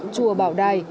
chùa bảo đài